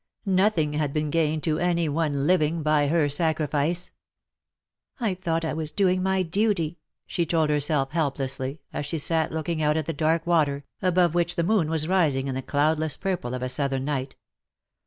Nothing had been gained to any one living by her sacrifice. *^ I thought I was doing my duty," she told her self helplessly, as she sat looking out at the dark water, above which the moon was rising in the cloudless purple of a southern night.